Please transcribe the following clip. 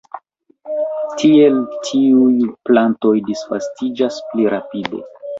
Tiel tiuj plantoj disvastiĝas pli rapide.